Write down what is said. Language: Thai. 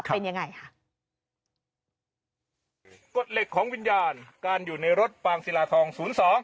เป็นยังไงค่ะกฎเหล็กของวิญญาณการอยู่ในรถปางศิลาทองศูนย์สอง